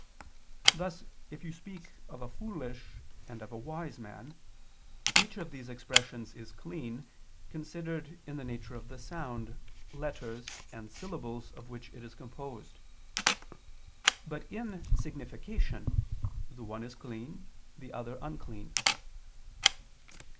Thus if you speak of a foolish, and of a wise man, each of these expressions is clean considered in the nature of the sound, letters and syllables of which it is composed: but in signification, the one is clean, the other unclean."